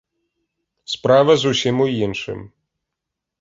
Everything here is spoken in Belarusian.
Справа зусім у іншым.